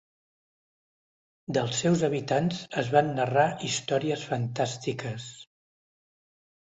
Dels seus habitants es van narrar històries fantàstiques.